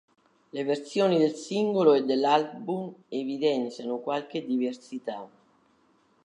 Le versioni del singolo e dell'album evidenziano qualche diversità.